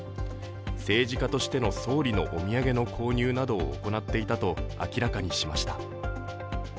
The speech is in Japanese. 政治家としての総理のお土産の購入などを行っていたと明らかにしました。